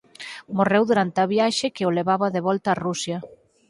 Morreu durante a viaxe que o levaba de volta á Rusia.